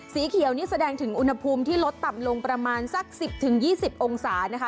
สีเขียวนี่แสดงถึงอุณหภูมิที่ลดต่ำลงประมาณสัก๑๐๒๐องศานะคะ